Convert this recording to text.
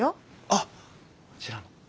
あっあちらの。